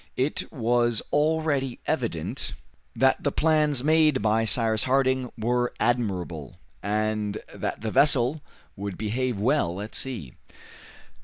It was already evident that the plans made by Cyrus Harding were admirable, and that the vessel would behave well at sea.